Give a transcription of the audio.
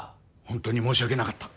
ホントに申し訳なかった。